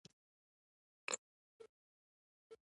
سکیچ